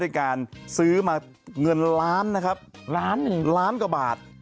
ด้วยการซื้อมาเงินล้านนะครับล้านล้านกว่าบาท